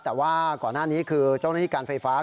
แต่ว่าก่อนหน้านี้คือเจ้าหน้าที่การไฟฟ้า